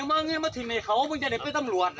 ร้านของมันก็ไม่มีมาก